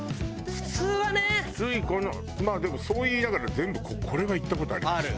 普通行かないまあでもそう言いながら全部これは行った事ありました。